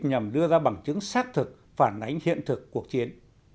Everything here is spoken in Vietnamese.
nhằm đưa ra bằng chứng xác thực phản ánh hiện thực cuộc chiến